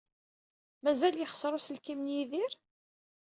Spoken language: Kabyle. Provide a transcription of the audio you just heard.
Mazal yexṣer uselkim n Yidir?